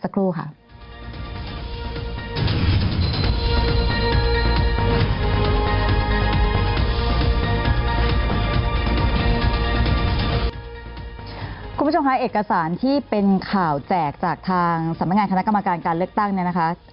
คุณผู้ชมคะเอกสารที่เป็นข่าวแจกจากทางสำนักงานคณะกรรมการการเลือกตั้งเนี่ยนะคะ